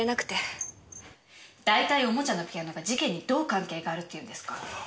大体おもちゃのピアノが事件にどう関係があるって言うんですか。